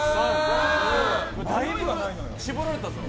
だいぶ絞られたぞ。